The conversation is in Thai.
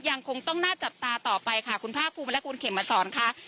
ยังคงต้องน่าจับตาต่อไปค่ะคุณภาคภูมิและคุณเขมมาสอนค่ะ